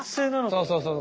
そうそうそう。